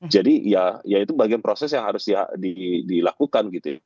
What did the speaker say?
jadi ya itu bagian proses yang harus dilakukan gitu